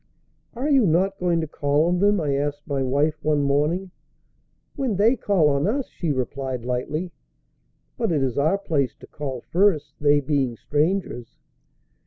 "Are you not going to call on them?" I asked my wife one morning. "When they call on us," she replied lightly. "But it is our place to call first, they being strangers."